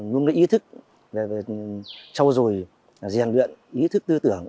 luôn có ý thức về trâu rồi diền luyện ý thức tư tưởng